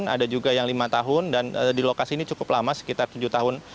ada juga yang lima tahun dan di lokasi ini cukup lama sekitar tujuh tahun